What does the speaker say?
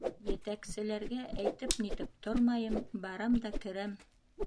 Етәкселәргә әйтеп-нитеп тормайым, барам да керәм.